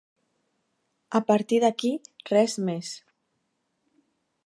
A partir d’aquí, res més.